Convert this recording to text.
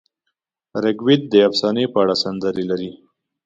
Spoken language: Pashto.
رګ وید د افسانې په اړه سندرې لري.